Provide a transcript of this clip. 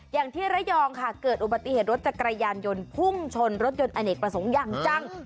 อย่างที่ระยองค่ะเกิดอุบัติเหตุรถจักรยานยนต์พุ่งชนรถยนต์อเนกประสงค์อย่างจัง